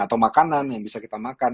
atau makanan yang bisa kita makan